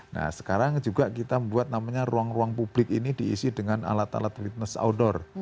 nah sekarang juga kita membuat namanya ruang ruang publik ini diisi dengan alat alat retness outdoor